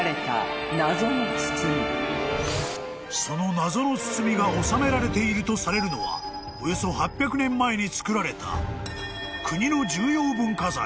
［その謎の包みが納められているとされるのはおよそ８００年前に作られた］